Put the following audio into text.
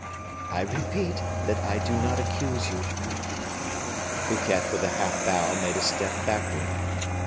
"I repeat that I do not accuse you." Fouquet, with a half bow, made a step backward.